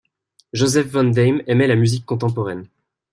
Joseph von Deym aimait la musique contemporaine.